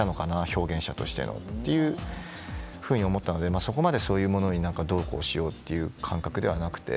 表現者としてのというふうに思ったので、そこまでそういうものに、どうこうしようという感覚ではなくて。